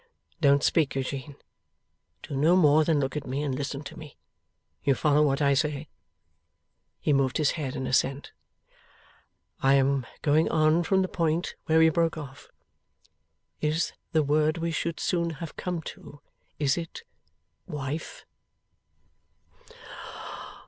'Don't speak, Eugene. Do no more than look at me, and listen to me. You follow what I say.' He moved his head in assent. 'I am going on from the point where we broke off. Is the word we should soon have come to is it Wife?